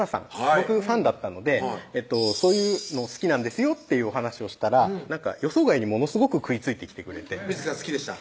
僕ファンだったので「そういうの好きなんですよ」っていうお話をしたら予想外にものすごく食いついてきてくれて水樹さん好きでした？